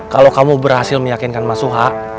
kalau kamu berhasil meyakinkan mas suha